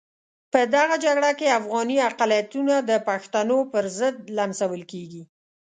په دغه جګړه کې افغاني اقلیتونه د پښتنو پرضد لمسول کېږي.